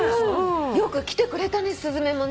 よく来てくれたねスズメもね。